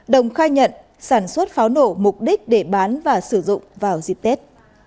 đồng khai nhận sản xuất pháo nổ mục đích để bán và sử dụng vào dịp tết